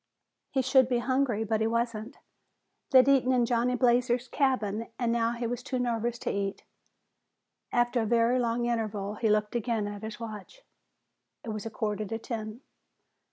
He should be hungry but he wasn't. They'd eaten in Johnny Blazer's cabin, and now he was too nervous to eat. After a very long interval, he looked again at his watch. It was a quarter to ten.